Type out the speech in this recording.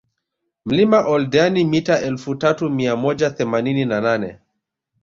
Mlima Oldeani mita elfu tatu mia moja themanini na nane